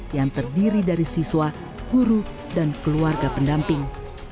yang terdiri dari siswa guru dan keluarga pendamping